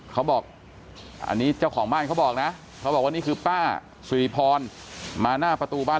เขาบอกอันนี้เจ้าของบ้านเขาบอกนะเขาบอกว่านี่คือป้าสุริพรมาหน้าประตูบ้าน